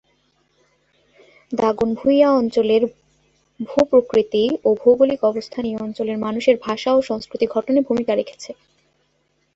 দাগনভূঞা অঞ্চলের ভূ-প্রকৃতি ও ভৌগোলিক অবস্থান এই অঞ্চলের মানুষের ভাষা ও সংস্কৃতি গঠনে ভূমিকা রেখেছে।